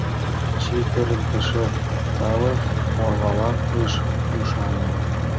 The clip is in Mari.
Чытырыктыше тале орвалан ыш ӱшане.